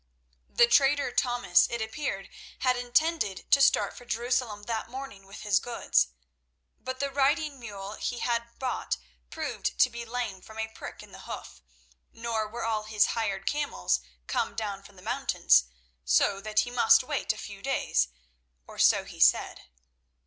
The trader Thomas, it appeared, had intended to start for Jerusalem that morning with his goods. But the riding mule he had bought proved to be lame from a prick in the hoof, nor were all his hired camels come down from the mountains, so that he must wait a few days, or so he said.